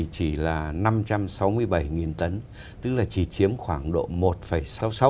chiếm khoảng độ một sáu trăm sáu mươi bảy thôi